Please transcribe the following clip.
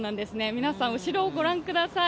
皆さん、後ろをご覧ください。